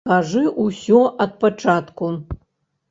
Кажы ўсё ад пачатку.